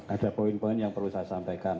ada poin poin yang perlu saya sampaikan